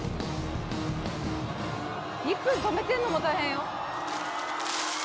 １分止めてんのも大変よ。